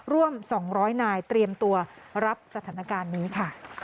ร่วม๒๐๐นายเตรียมตัวรับสถานการณ์นี้ค่ะ